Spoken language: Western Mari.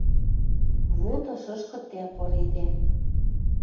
Вот ышышкы тӓ пыредӓ.